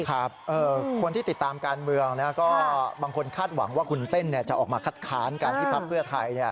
คนที่ติดตามการเมืองก็บางคนคาดหวังว่าคุณเต้นจะออกมาคัดค้านการที่พักเพื่อไทย